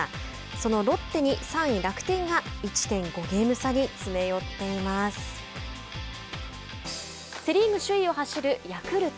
そのロッテに３位楽天が１．５ゲーム差にセ・リーグ首位を走るヤクルト。